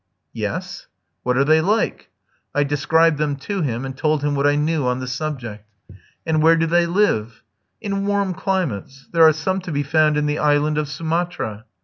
"Yes." "What are they like?" I described them to him, and told him what I knew on the subject. "And where do they live?" "In warm climates. There are some to be found in the island of Sumatra."